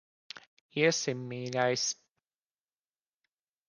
Iesim, mīļais.